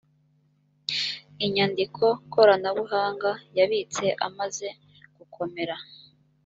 inyandiko koranabuhanga yabitse amaze gukomera